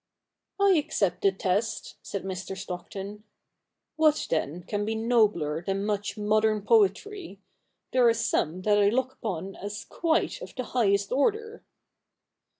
' I accept the test,' said Mr. Stockton. ' What, then, can be nobler than much modern poetry? There is some that I look upon as quite of the highest order.'